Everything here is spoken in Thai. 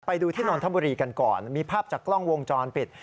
ไปดูที่นนทบุรีกันก่อนมีภาพจากกล้องวงจรปิด